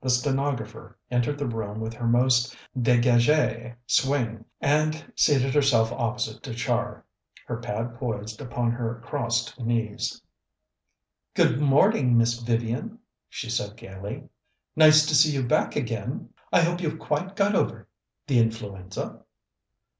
The stenographer entered the room with her most dégagé swing, and seated herself opposite to Char, her pad poised upon her crossed knees. "Good morning, Miss Vivian," she said gaily. "Nice to see you back again. I hope you've quite got over the influenza?"